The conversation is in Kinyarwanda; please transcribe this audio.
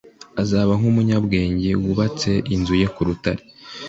azaba nk'umunyabwenge wubatse inzu ye ku rutare.